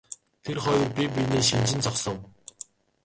Тэр хоёр бие биенээ шинжин зогсов.